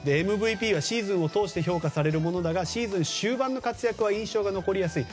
ＭＶＰはシーズンを通して評価されるものだがシーズン終盤の活躍は印象が残りやすい。